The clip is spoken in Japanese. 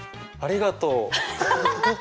ありがとう。